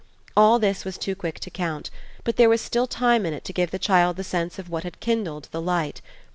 All this was too quick to count, but there was still time in it to give the child the sense of what had kindled the light.